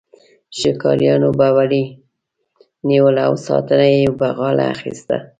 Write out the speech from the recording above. ښکاریانو به وري نیول او ساتنه یې په غاړه اخیسته.